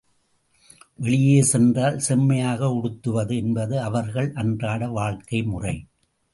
வெளியே சென்றால் செம்மையாக உடுத்துவது என்பது அவர்கள் அன்றாட வாழ்க்கை முறை.